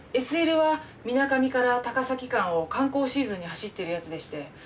ＳＬは水上から高崎間を観光シーズンに走ってるやつでして。